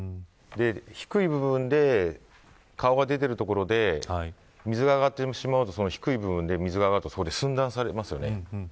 低い部分で顔が出ているところで水が上がってしまうと低い部分で水が上がると寸断されますよね。